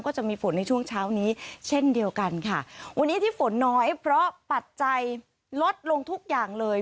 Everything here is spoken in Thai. จะมีฝนในช่วงเช้านี้เช่นเดียวกันค่ะวันนี้ที่ฝนน้อยเพราะปัจจัยลดลงทุกอย่างเลย